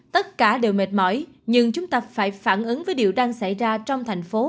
tất cả đều mệt mỏi nhưng chúng ta phải phản ứng với điều đang xảy ra trong thành phố